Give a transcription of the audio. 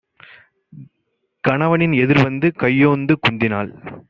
கணவனின் எதிர்வந்து கையோய்ந்து குந்தினாள்.